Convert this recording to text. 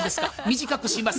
短くします。